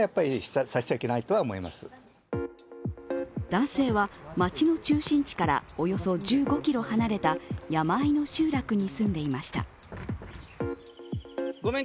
男性は、町の中心地からおよそ１５ｋｍ離れた山あいの集落に住んでいました。